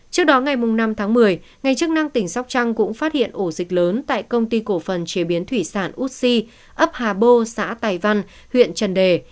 trước đó ngày năm tháng một mươi ngành chức năng tỉnh sóc trăng cũng phát hiện ổ dịch lớn tại công ty cổ phần chế biến thủy sản út si ấp hà bô xã tài văn huyện trần đề